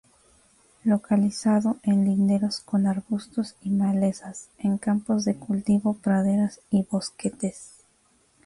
Localizado en linderos con arbustos y malezas, en campos de cultivo, praderas y bosquetes.